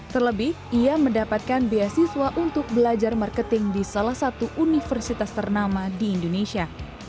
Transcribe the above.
terlebih ia mendapatkan beasiswa untuk belajar marketing di salah satu universitas ternama di indonesia